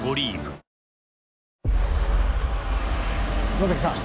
野崎さん